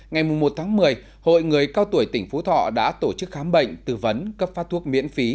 ngày một tháng một mươi hội người cao tuổi tỉnh phú thọ đã tổ chức khám bệnh tư vấn cấp phát thuốc miễn phí